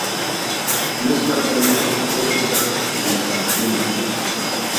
Mezcla formas góticas y bizantinas.